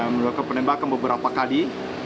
melakukan penembakan beberapa kali